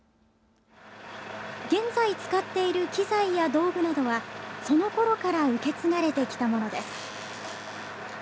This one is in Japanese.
現在使っている機材や道具などはそのころから受け継がれてきたものです。